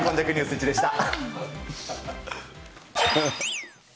イッチでした。